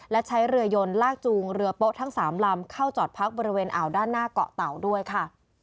และใช้เรือยนลากจูงเรือโป๊ะทั้ง๓ลำเข้าจอดพักบริเวณอ่าวด้านหน้าเกาะเต่าด้วยค่ะ